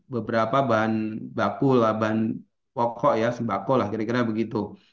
beberapa bahan bakul bahan pokok sebakul kira kira begitu